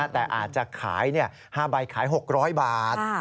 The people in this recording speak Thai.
แต่อาจจะขาย๕ใบขาย๖๐๐บาท